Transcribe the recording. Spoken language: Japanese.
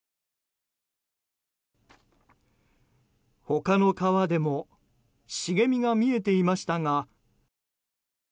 他の川でも茂みが見えていましたが。